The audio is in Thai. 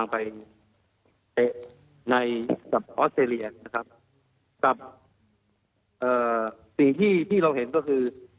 ไปเตะในกับออสเตรเลียนะครับกับเอ่อสิ่งที่ที่เราเห็นก็คือ